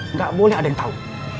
nggak boleh ada yang tahu